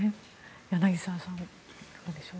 柳澤さんはどうでしょう。